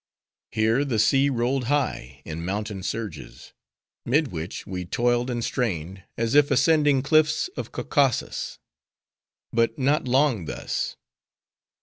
Here, the sea rolled high, in mountain surges: mid which, we toiled and strained, as if ascending cliffs of Caucasus. But not long thus.